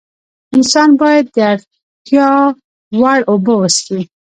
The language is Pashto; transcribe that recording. انسان باید د اړتیا وړ اوبه وڅښي